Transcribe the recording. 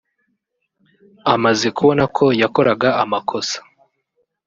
amaze kubona ko yakoraga amakosa